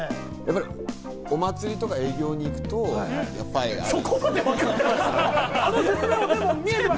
お祭りとか営業に行くと、やっぱり、はい。